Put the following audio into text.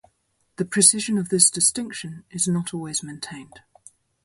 The precision of this distinction is not always maintained.